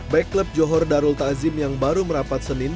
baik klub johor darul ta'azim yang baru merapat senin